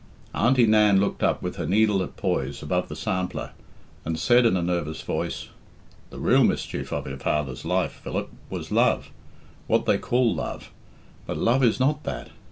Auntie Nan looked up with her needle at poise above the sampler, and said in a nervous voice, "The real mischief of your father's life, Philip, was love what they call love. But love is not that.